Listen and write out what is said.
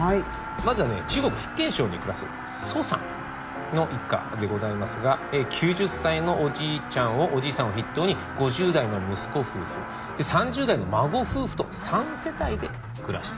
まずは中国福建省に暮らす蘇さんの一家でございますが９０歳のおじいさんを筆頭に５０代の息子夫婦３０代の孫夫婦と３世帯で暮らしている。